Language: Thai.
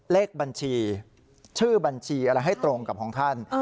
เลขบัญชีชื่อบัญชีอะไรให้ตรงกับของท่าน